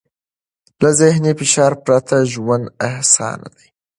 له ذهني فشار پرته ژوند اسان دی.